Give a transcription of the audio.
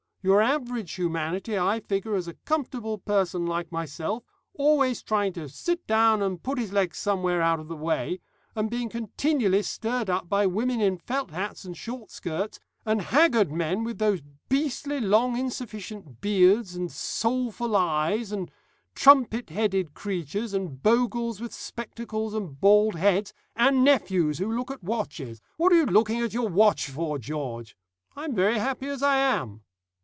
Your average humanity I figure as a comfortable person like myself, always trying to sit down and put its legs somewhere out of the way, and being continually stirred up by women in felt hats and short skirts, and haggard men with those beastly, long, insufficient beards, and soulful eyes, and trumpet headed creatures, and bogles with spectacles and bald heads, and nephews who look at watches. What are you looking at your watch for, George? I'm very happy as I am.